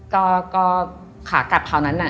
ก็ขากกับเผานนั้น